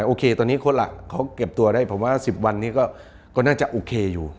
โอเคตอนนี้คนล่ะเขาเก็บตัวได้ผมว่า๑๐วันนี้ก็น่าจะโอเคอยู่